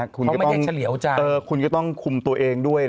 คุณก็ไม่ได้เฉลียวใจคุณก็ต้องคุมตัวเองด้วย